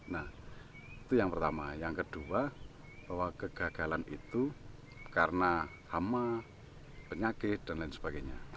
nah itu yang pertama yang kedua bahwa kegagalan itu karena hama penyakit dan lain sebagainya